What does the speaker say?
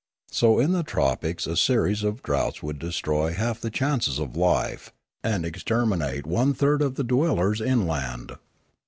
So in the tropics a series of droughts would destroy half the chances of life, and exterminate one third of the dwellers inland.